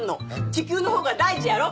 地球の方が大事やろ？